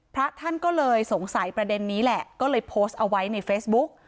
พระท่านก็เลยสงสัยประเด็นนี้แหละก็เลยโพสต์เอาไว้ในเฟซบุ๊ก